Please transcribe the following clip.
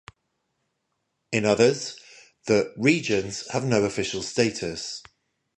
In others, the "regions" have no official status.